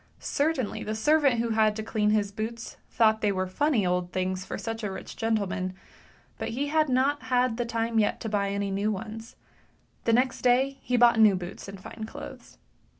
Certainly the servant who had to clean his boots thought they were funny old things for such a rich gentleman, but he had not had time yet to buy any new ones; the next day he bought new boots and fine clothes.